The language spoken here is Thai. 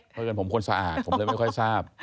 เพราะฉะนั้นผมคนสะอาดผมเลยไม่ค่อยทราบ